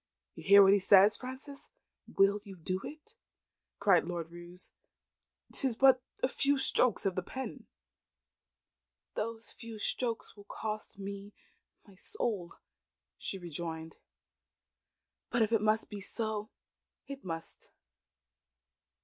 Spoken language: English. "You hear what he says, Frances. You will do it?" cried Lord Roos. "'Tis but a few strokes of a pen." "Those few strokes will cost me my soul," she rejoined. "But if it must be so, it must.